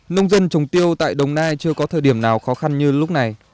nông dân trồng tiêu tại đồng nai chưa có thời điểm nào khó khăn như lúc này